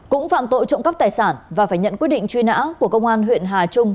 cũng phạm tội trộm cắp tài sản và phải nhận quyết định truy nã của công an huyện hà trung